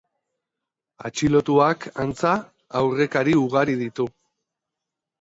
Atxilotuak, antza, aurrekari ugari ditu.